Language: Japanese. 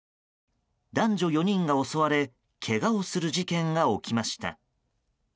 男女４人が襲われけがをする事件が起きました。